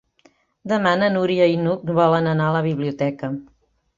Demà na Núria i n'Hug volen anar a la biblioteca.